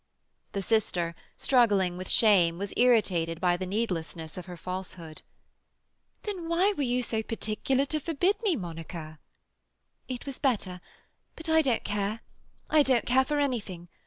The sister, struggling with shame, was irritated by the needlessness of her falsehood. "Then why were you so particular to forbid me, Monica?" "It was better—but I don't care. I don't care for anything.